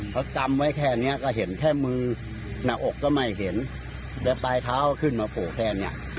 เขาจำไว้แค่เนี้ยก็เห็นแค่มือหน้าอกก็ไม่เห็นแต่ปลายเท้าก็ขึ้นมาโผล่แค่เนี้ย